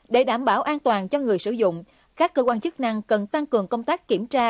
để đảm bảo an toàn cho người sử dụng các cơ quan chức năng cần tăng cường công tác kiểm tra